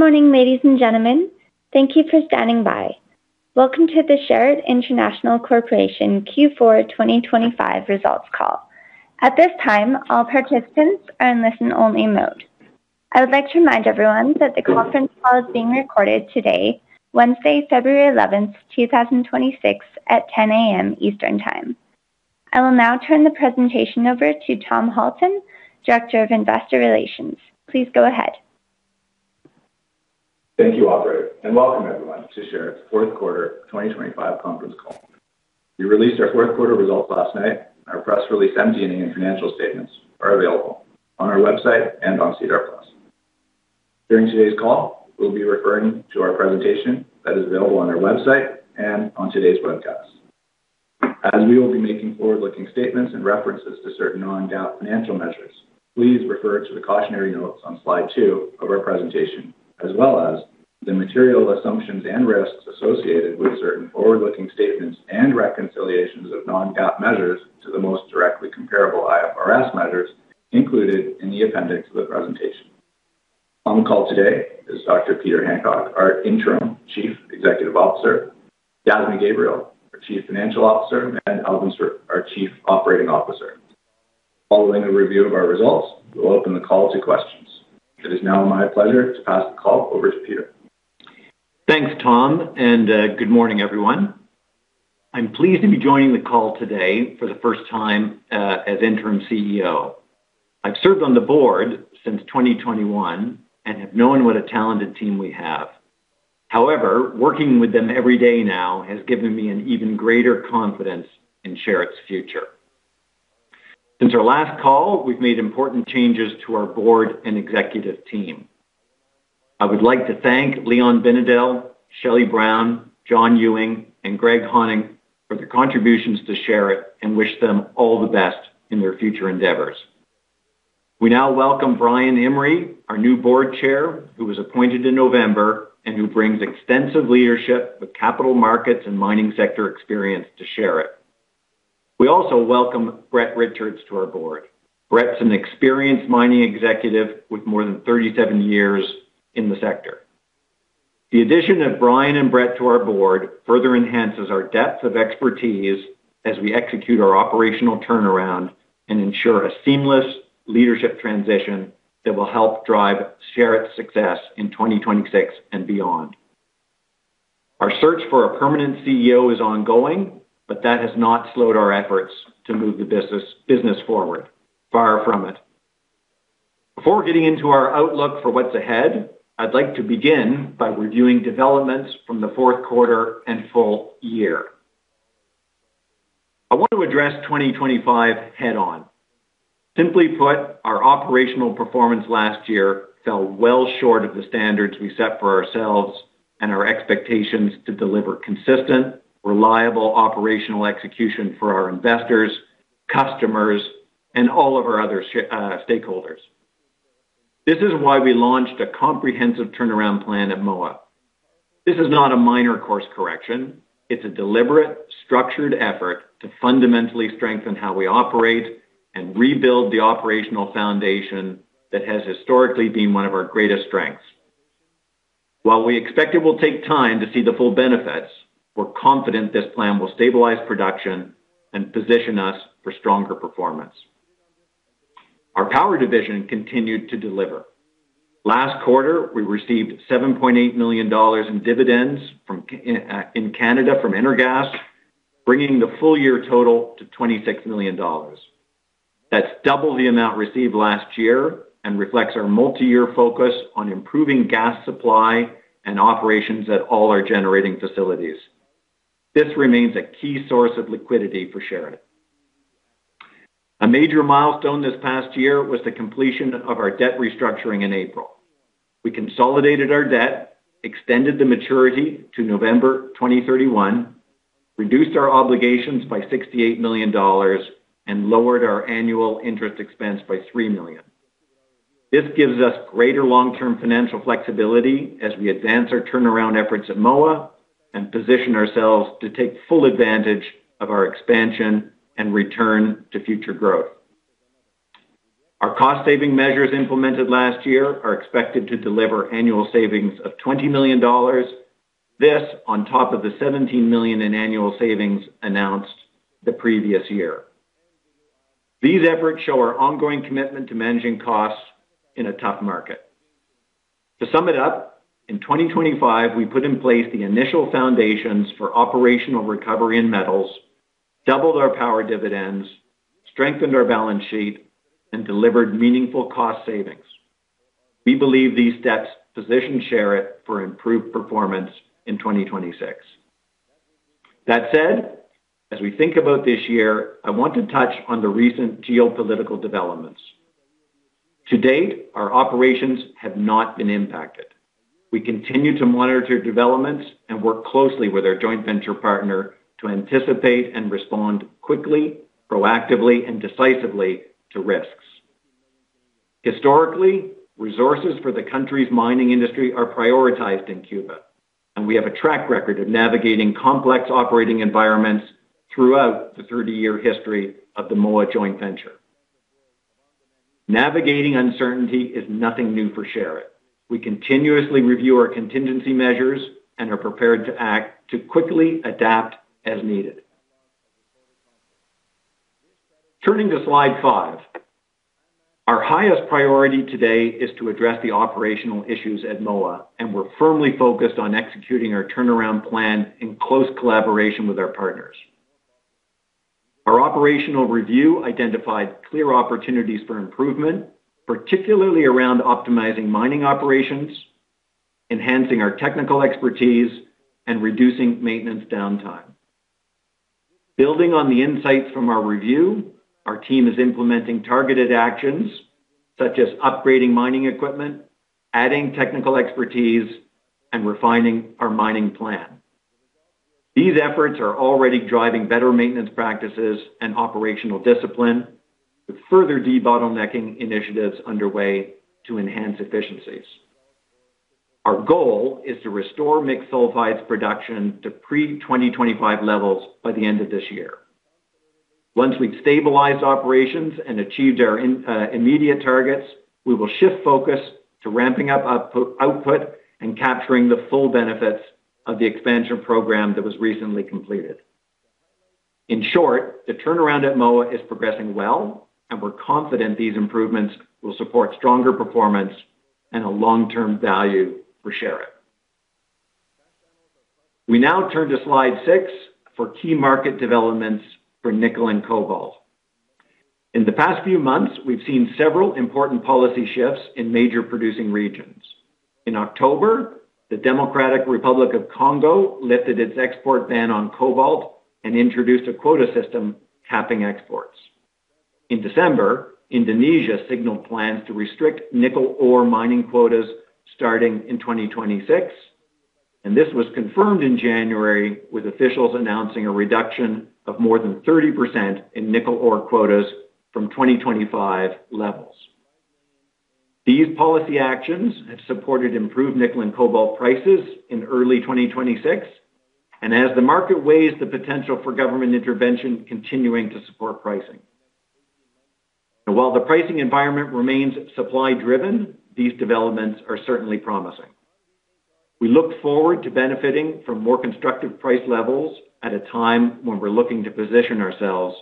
Good morning, ladies and gentlemen. Thank you for standing by. Welcome to the Sherritt International Corporation Q4 2025 results call. At this time, all participants are in listen-only mode. I would like to remind everyone that the conference call is being recorded today, Wednesday, February 11, 2026, at 10:00 A.M. Eastern Time. I will now turn the presentation over to Tom Halton, Director of Investor Relations. Please go ahead. Thank you, Audrey, and welcome, everyone, to Sherritt's fourth-quarter 2025 conference call. We released our fourth-quarter results last night, and our press release, earnings, and financial statements are available on our website and on SEDAR+. During today's call, we'll be referring to our presentation that is available on our website and on today's webcast. As we will be making forward-looking statements and references to certain non-GAAP financial measures, please refer to the cautionary notes on slide two of our presentation, as well as the material assumptions and risks associated with certain forward-looking statements and reconciliations of non-GAAP measures to the most directly comparable IFRS measures included in the appendix of the presentation. On the call today is Dr. Peter Hancock, our interim Chief Executive Officer, Yasmin Gabriel, our Chief Financial Officer, and Elvin Saruk, our Chief Operating Officer. Following a review of our results, we'll open the call to questions. It is now my pleasure to pass the call over to Peter. Thanks, Tom, and good morning, everyone. I'm pleased to be joining the call today for the first time as Interim CEO. I've served on the board since 2021 and have known what a talented team we have. However, working with them every day now has given me an even greater confidence in Sherritt's future. Since our last call, we've made important changes to our board and executive team. I would like to thank Leon Binedell, Shelley Brown, John Ewing, and Greg Honig for their contributions to Sherritt and wish them all the best in their future endeavors. We now welcome Brian Imrie, our new Board Chair, who was appointed in November and who brings extensive leadership with capital markets and mining sector experience to Sherritt. We also welcome Brett Richards to our board. Brett's an experienced mining executive with more than 37 years in the sector. The addition of Brian and Brett to our board further enhances our depth of expertise as we execute our operational turnaround and ensure a seamless leadership transition that will help drive Sherritt's success in 2026 and beyond. Our search for a permanent CEO is ongoing, but that has not slowed our efforts to move the business forward, far from it. Before getting into our outlook for what's ahead, I'd like to begin by reviewing developments from the fourth quarter and full year. I want to address 2025 head-on. Simply put, our operational performance last year fell well short of the standards we set for ourselves and our expectations to deliver consistent, reliable operational execution for our investors, customers, and all of our other stakeholders. This is why we launched a comprehensive turnaround plan at Moa. This is not a minor course correction. It's a deliberate, structured effort to fundamentally strengthen how we operate and rebuild the operational foundation that has historically been one of our greatest strengths. While we expect it will take time to see the full benefits, we're confident this plan will stabilize production and position us for stronger performance. Our power division continued to deliver. Last quarter, we received 7.8 million dollars in dividends in Canada from Energas, bringing the full-year total to 26 million dollars. That's double the amount received last year and reflects our multi-year focus on improving gas supply and operations at all our generating facilities. This remains a key source of liquidity for Sherritt. A major milestone this past year was the completion of our debt restructuring in April. We consolidated our debt, extended the maturity to November 2031, reduced our obligations by 68 million dollars, and lowered our annual interest expense by 3 million. This gives us greater long-term financial flexibility as we advance our turnaround efforts at Moa and position ourselves to take full advantage of our expansion and return to future growth. Our cost-saving measures implemented last year are expected to deliver annual savings of 20 million dollars, this on top of the 17 million in annual savings announced the previous year. These efforts show our ongoing commitment to managing costs in a tough market. To sum it up, in 2025, we put in place the initial foundations for operational recovery in metals, doubled our power dividends, strengthened our balance sheet, and delivered meaningful cost savings. We believe these steps position Sherritt for improved performance in 2026. That said, as we think about this year, I want to touch on the recent geopolitical developments. To date, our operations have not been impacted. We continue to monitor developments and work closely with our joint venture partner to anticipate and respond quickly, proactively, and decisively to risks. Historically, resources for the country's mining industry are prioritized in Cuba, and we have a track record of navigating complex operating environments throughout the 30-year history of the Moa Joint Venture. Navigating uncertainty is nothing new for Sherritt. We continuously review our contingency measures and are prepared to act to quickly adapt as needed. Turning to slide five, our highest priority today is to address the operational issues at Moa, and we're firmly focused on executing our turnaround plan in close collaboration with our partners. Our operational review identified clear opportunities for improvement, particularly around optimizing mining operations, enhancing our technical expertise, and reducing maintenance downtime. Building on the insights from our review, our team is implementing targeted actions such as upgrading mining equipment, adding technical expertise, and refining our mining plan. These efforts are already driving better maintenance practices and operational discipline with further debottlenecking initiatives underway to enhance efficiencies. Our goal is to restore mixed sulphides production to pre-2025 levels by the end of this year. Once we've stabilized operations and achieved our immediate targets, we will shift focus to ramping up output and capturing the full benefits of the expansion program that was recently completed. In short, the turnaround at Moa is progressing well, and we're confident these improvements will support stronger performance and a long-term value for Sherritt. We now turn to slide six for key market developments for nickel and cobalt. In the past few months, we've seen several important policy shifts in major producing regions. In October, the Democratic Republic of Congo lifted its export ban on cobalt and introduced a quota system capping exports. In December, Indonesia signaled plans to restrict nickel ore mining quotas starting in 2026, and this was confirmed in January with officials announcing a reduction of more than 30% in nickel ore quotas from 2025 levels. These policy actions have supported improved nickel and cobalt prices in early 2026, and as the market weighs the potential for government intervention continuing to support pricing. While the pricing environment remains supply-driven, these developments are certainly promising. We look forward to benefiting from more constructive price levels at a time when we're looking to position ourselves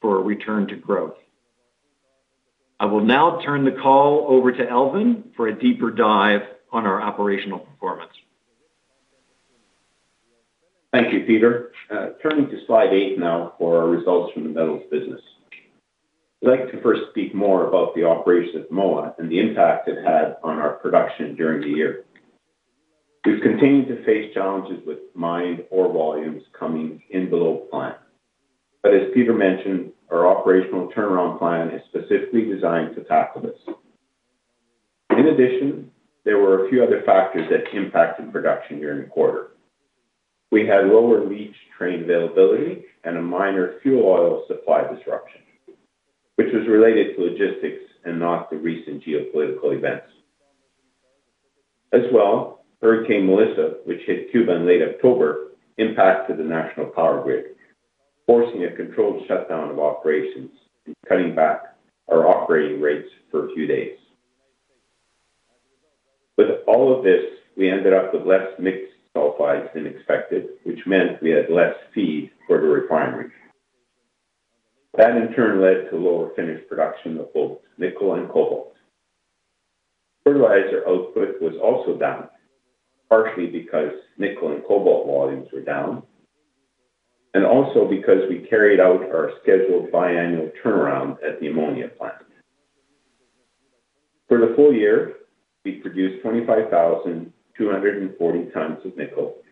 for a return to growth. I will now turn the call over to Elvin for a deeper dive on our operational performance. Thank you, Peter. Turning to slide eight now for our results from the metals business. I'd like to first speak more about the operations at Moa and the impact it had on our production during the year. We've continued to face challenges with mined ore volumes coming in below plan, but as Peter mentioned, our operational turnaround plan is specifically designed to tackle this. In addition, there were a few other factors that impacted production during the quarter. We had lower leach train availability and a minor fuel oil supply disruption, which was related to logistics and not to recent geopolitical events. As well, Hurricane Melissa, which hit Cuba in late October, impacted the national power grid, forcing a controlled shutdown of operations and cutting back our operating rates for a few days. With all of this, we ended up with less mixed sulphides than expected, which meant we had less feed for the refinery. That, in turn, led to lower finished production of both nickel and cobalt. Fertilizer output was also down, partially because nickel and cobalt volumes were down and also because we carried out our scheduled biannual turnaround at the ammonia plant. For the full year, we produced 25,240 tons of nickel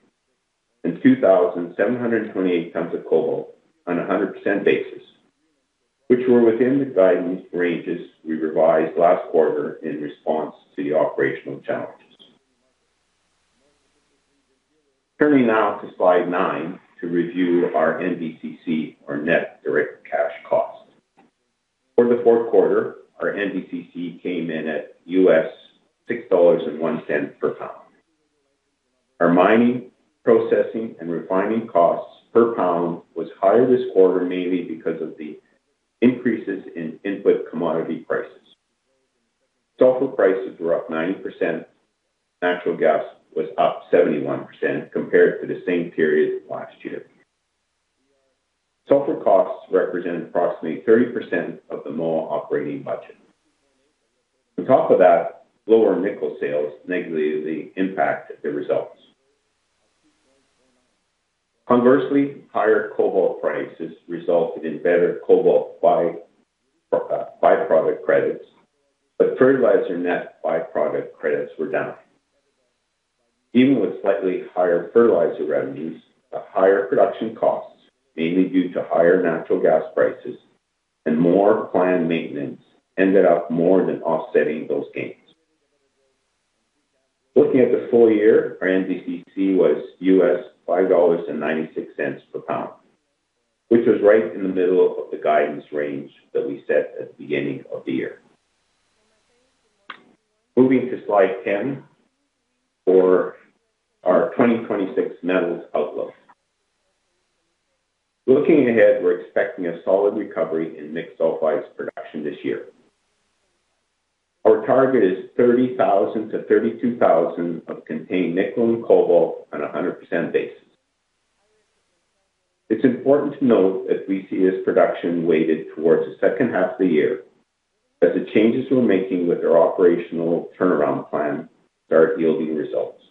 and 2,728 tons of cobalt on a 100% basis, which were within the guidance ranges we revised last quarter in response to the operational challenges. Turning now to slide nine to review our NDCC, our Net Direct Cash Cost. For the fourth quarter, our NDCC came in at $6.01 per pound. Our mining, processing, and refining costs per pound were higher this quarter mainly because of the increases in input commodity prices. sulpher prices were up 90%. Natural gas was up 71% compared to the same period last year. Sulphur costs represent approximately 30% of the Moa operating budget. On top of that, lower nickel sales negatively impacted the results. Conversely, higher cobalt prices resulted in better cobalt byproduct credits, but fertilizer net byproduct credits were down. Even with slightly higher fertilizer revenues, the higher production costs, mainly due to higher natural gas prices and more planned maintenance, ended up more than offsetting those gains. Looking at the full year, our NDCC was $5.96 per pound, which was right in the middle of the guidance range that we set at the beginning of the year. Moving to slide 10 for our 2026 metals outlook. Looking ahead, we're expecting a solid recovery in mixed sulphides production this year. Our target is 30,000-32,000 of contained nickel and cobalt on a 100% basis. It's important to note that we see this production weighted towards the second half of the year as the changes we're making with our operational turnaround plan start yielding results.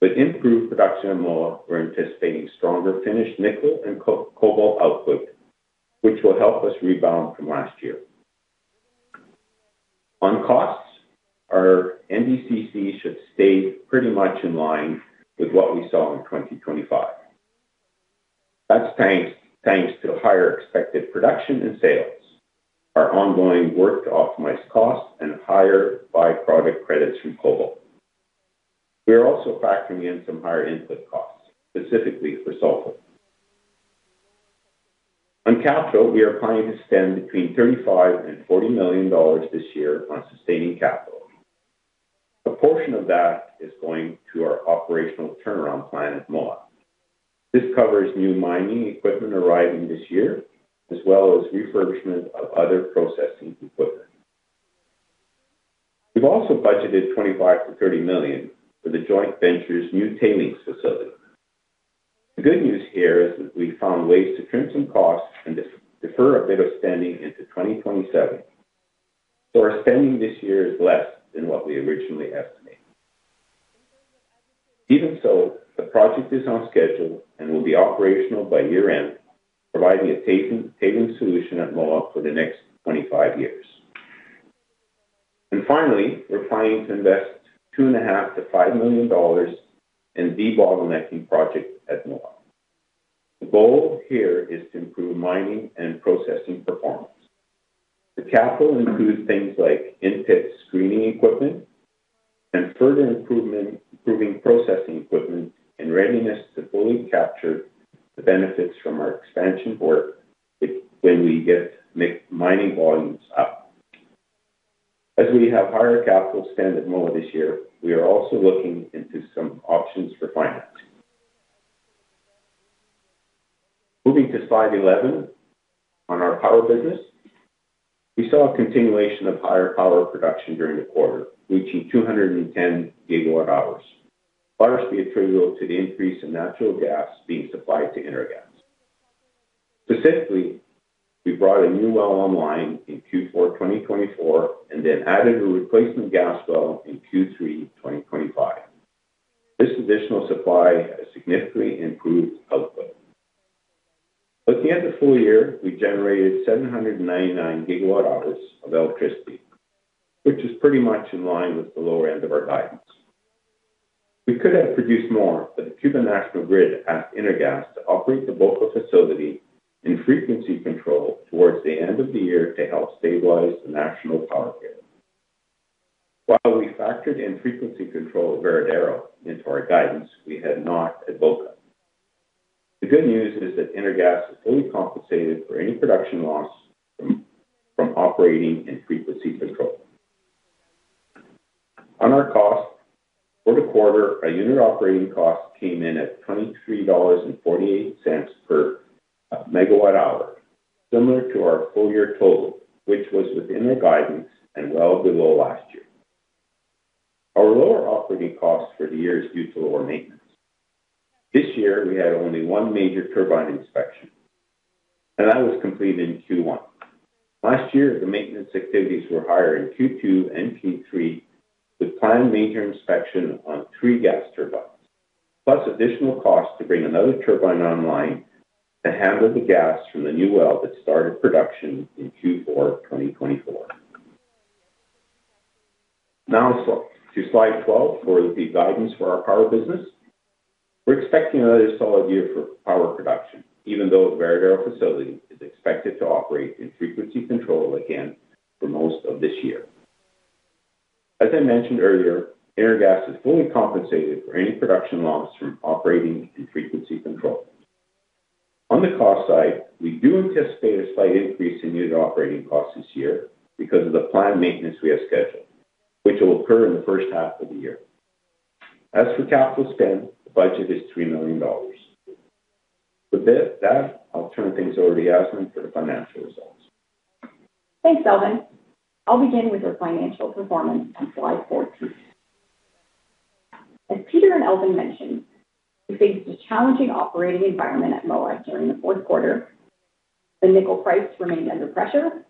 With improved production at Moa, we're anticipating stronger finished nickel and cobalt output, which will help us rebound from last year. On costs, our NDCC should stay pretty much in line with what we saw in 2025. That's thanks to higher expected production and sales, our ongoing work to optimize costs, and higher byproduct credits from cobalt. We are also factoring in some higher input costs, specifically for sulphur. On capital, we are planning to spend between 35 million-40 million dollars this year on sustaining capital. A portion of that is going to our operational turnaround plan at MOA. This covers new mining equipment arriving this year as well as refurbishment of other processing equipment. We've also budgeted 25 million-30 million for the joint venture's new tailings facility. The good news here is that we found ways to trim some costs and defer a bit of spending into 2027, so our spending this year is less than what we originally estimated. Even so, the project is on schedule and will be operational by year-end, providing a tailings solution at Moa for the next 25 years. Finally, we're planning to invest 2.5 million-5 million dollars in the debottlenecking project at Moa. The goal here is to improve mining and processing performance. The capital includes things like in-pit screening equipment and further improving processing equipment and readiness to fully capture the benefits from our expansion work when we get mining volumes up. As we have higher capital spent at Moa this year, we are also looking into some options for financing. Moving to slide 11 on our power business, we saw a continuation of higher power production during the quarter, reaching 210 GWh, largely attributable to the increase in natural gas being supplied to Energas. Specifically, we brought a new well online in Q4 2024 and then added a replacement gas well in Q3 2025. This additional supply has significantly improved output. Looking at the full year, we generated 799 GWh of electricity, which is pretty much in line with the lower end of our guidance. We could have produced more, but the Cuban national grid asked Energas to operate the Boca facility in frequency control towards the end of the year to help stabilize the national power grid. While we factored in frequency control of Varadero into our guidance, we had not at Boca. The good news is that Energas is fully compensated for any production loss from operating in frequency control. On our cost, for the quarter, our unit operating cost came in at 23.48 dollars per MWh, similar to our full-year total, which was within our guidance and well below last year. Our lower operating costs for the year are due to lower maintenance. This year, we had only one major turbine inspection, and that was completed in Q1. Last year, the maintenance activities were higher in Q2 and Q3 with planned major inspection on three gas turbines, plus additional costs to bring another turbine online to handle the gas from the new well that started production in Q4 2024. Now, to slide 12 for the guidance for our power business, we're expecting another solid year for power production, even though the Varadero facility is expected to operate in frequency control again for most of this year. As I mentioned earlier, Energas is fully compensated for any production loss from operating in frequency control. On the cost side, we do anticipate a slight increase in unit operating costs this year because of the planned maintenance we have scheduled, which will occur in the first half of the year. As for capital spend, the budget is 3 million dollars. With that, I'll turn things over to Yasmin for the financial results. Thanks, Elvin. I'll begin with our financial performance on slide 14. As Peter and Elvin mentioned, we faced a challenging operating environment at Moa during the fourth quarter. The nickel price remained under pressure,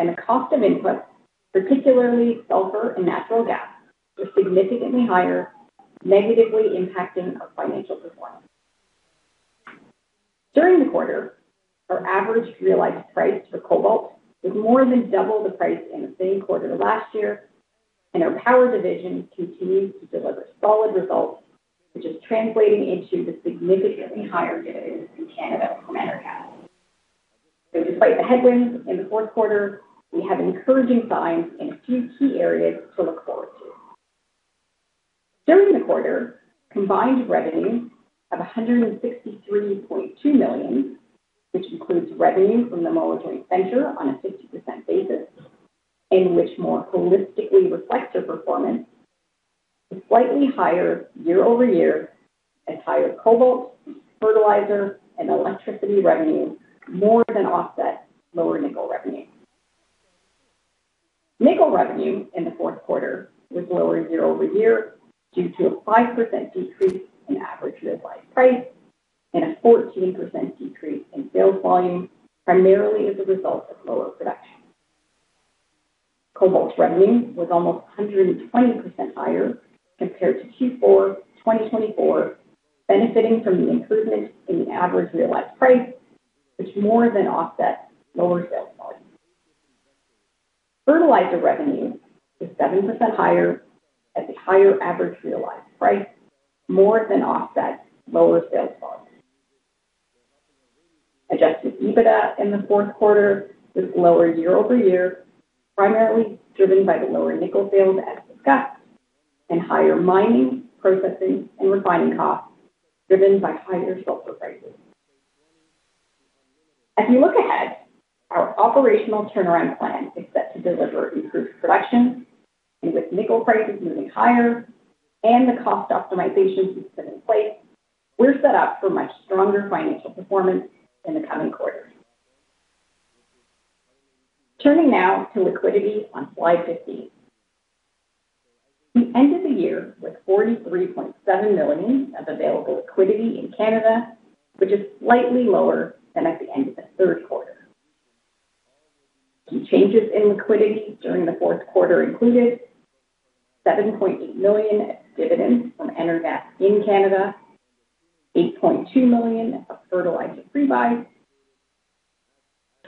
and the cost of inputs, particularly sulphur and natural gas, were significantly higher, negatively impacting our financial performance. During the quarter, our average realized price for cobalt was more than double the price in the same quarter last year, and our power division continued to deliver solid results, which is translating into the significantly higher dividends in Canada from Energas. So despite the headwinds in the fourth quarter, we have encouraging signs in a few key areas to look forward to. During the quarter, combined revenues of 163.2 million, which includes revenue from the Moa Joint Venture on a 50% basis and which more holistically reflects our performance, with slightly higher year-over-year as higher cobalt, fertilizer, and electricity revenue more than offset lower nickel revenue. Nickel revenue in the fourth quarter was lower year-over-year due to a 5% decrease in average realized price and a 14% decrease in sales volume, primarily as a result of lower production. Cobalt revenue was almost 120% higher compared to Q4 2024, benefiting from the improvement in the average realized price, which more than offset lower sales volume. Fertilizer revenue was 7% higher at the higher average realized price, more than offset lower sales volume. Adjusted EBITDA in the fourth quarter was lower year-over-year, primarily driven by the lower nickel sales, as discussed, and higher mining, processing, and refining costs driven by higher sulfur prices. As we look ahead, our operational turnaround plan is set to deliver improved production, and with nickel prices moving higher and the cost optimizations we've put in place, we're set up for much stronger financial performance in the coming quarters. Turning now to liquidity on slide 15. We ended the year with 43.7 million of available liquidity in Canada, which is slightly lower than at the end of the third quarter. Key changes in liquidity during the fourth quarter included 7.8 million of dividends from Energas in Canada, 8.2 million of fertilizer pre-buy,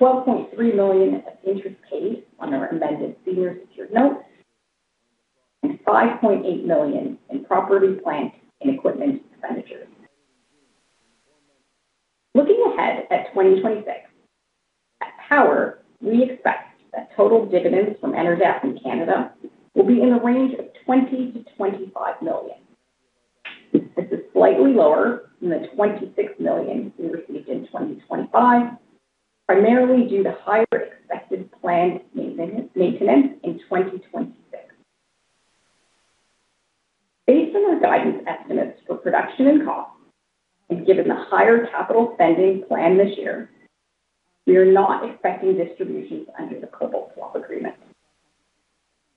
12.3 million of interest paid on our amended senior secured note, and 5.8 million in property, plant, and equipment expenditures. Looking ahead at 2026, at power, we expect that total dividends from Energas in Canada will be in the range of 20 million-25 million. This is slightly lower than the 26 million we received in 2025, primarily due to higher expected planned maintenance in 2026. Based on our guidance estimates for production and costs, and given the higher capital spending planned this year, we are not expecting distributions under the Cobalt Swap Agreement.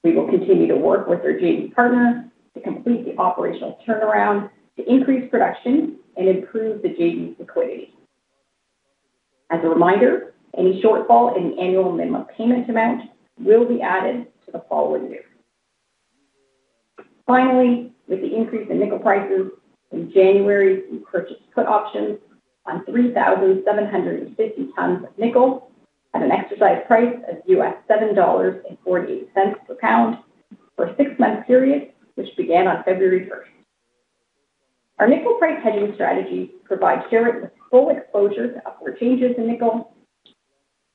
We will continue to work with our JV partner to complete the operational turnaround to increase production and improve the JV's liquidity. As a reminder, any shortfall in the annual minimum payment amount will be added to the following year. Finally, with the increase in nickel prices, in January, we purchased put options on 3,750 tons of nickel at an exercise price of $7.48 per pound for a six-month period, which began on February 1st. Our nickel price hedging strategy provides Sherritt with full exposure to upward changes in nickel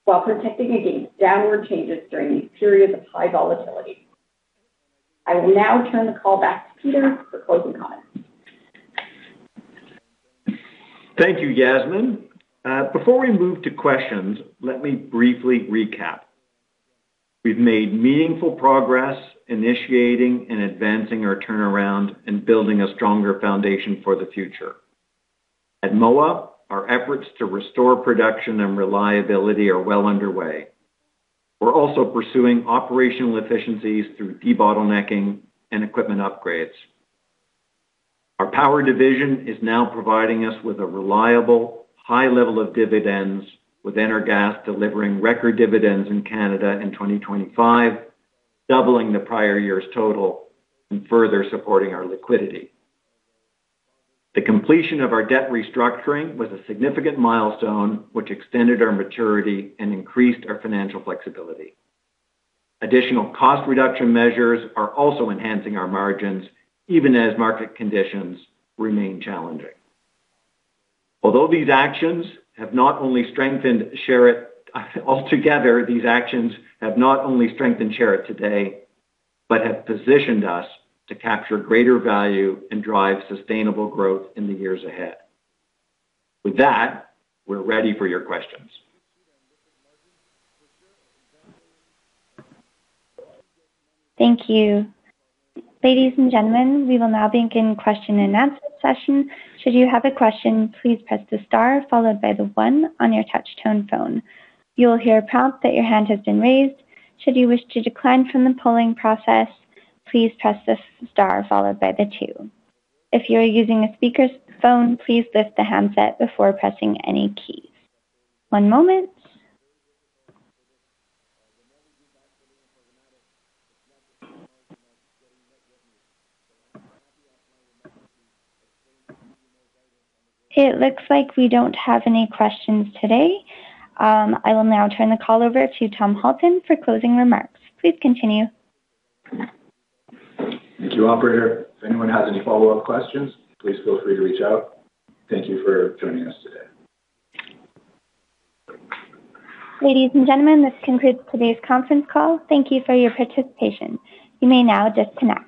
while protecting against downward changes during these periods of high volatility. I will now turn the call back to Peter for closing comments. Thank you, Yasmin. Before we move to questions, let me briefly recap. We've made meaningful progress initiating and advancing our turnaround and building a stronger foundation for the future. At Moa, our efforts to restore production and reliability are well underway. We're also pursuing operational efficiencies through debottlenecking and equipment upgrades. Our power division is now providing us with a reliable, high level of dividends, with Energas delivering record dividends in Canada in 2025, doubling the prior year's total, and further supporting our liquidity. The completion of our debt restructuring was a significant milestone, which extended our maturity and increased our financial flexibility. Additional cost reduction measures are also enhancing our margins, even as market conditions remain challenging. Although these actions have not only strengthened Sherritt today but have positioned us to capture greater value and drive sustainable growth in the years ahead. With that, we're ready for your questions. Thank you. Ladies and gentlemen, we will now begin question-and-answer session. Should you have a question, please press the star followed by the one on your touch-tone phone. You will hear a prompt that your hand has been raised. Should you wish to decline from the polling process, please press the star followed by the two. If you are using a speakerphone, please lift the handset before pressing any keys. One moment. It looks like we don't have any questions today. I will now turn the call over to Tom Halton for closing remarks. Please continue. Thank you, Operator. If anyone has any follow-up questions, please feel free to reach out. Thank you for joining us today. Ladies and gentlemen, this concludes today's conference call. Thank you for your participation. You may now disconnect.